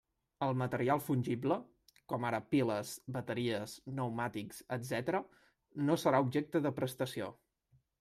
El material fungible, com ara piles, bateries, pneumàtics, etcètera, no serà objecte de prestació.